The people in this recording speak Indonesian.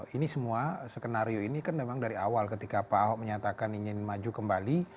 ini semua skenario ini kan memang dari awal ketika pak ahok menyatakan ingin maju kembali